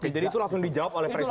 jadi itu langsung dijawab oleh presiden